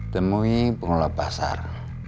temui pengelola pasar